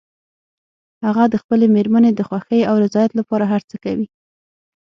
هغه د خپلې مېرمنې د خوښې او رضایت لپاره هر څه کوي